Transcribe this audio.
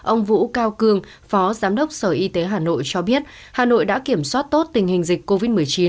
ông vũ cao cương phó giám đốc sở y tế hà nội cho biết hà nội đã kiểm soát tốt tình hình dịch covid một mươi chín